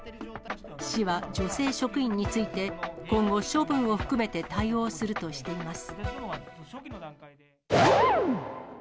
市は、女性職員について、今後、処分を含めて対応するとしています。